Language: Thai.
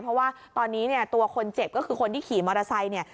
เพราะว่าตอนนี้เนี่ยตัวคนเจ็บก็คือคนที่ขี่มอเตอร์ไซค์เนี่ย